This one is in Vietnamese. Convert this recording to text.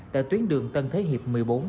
tại tuyến đường tân thới hiệp một mươi bốn